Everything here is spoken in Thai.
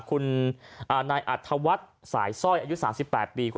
คุณนายอัธวัฒน์สายสร้อยอายุ๓๘ปี